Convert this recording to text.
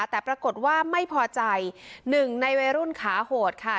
แต่ปรากฏว่าไม่พอใจหนึ่งในวัยรุ่นขาโหดค่ะ